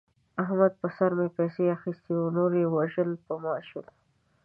د احمد په سر مې پیسې اخستې دي. نور یې وژل په ما شول.